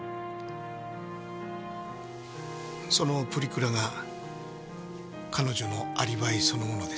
そのプリクラが彼女のアリバイそのものです。